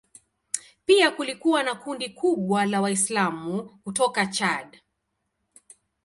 Pia kulikuwa na kundi kubwa la Waislamu kutoka Chad.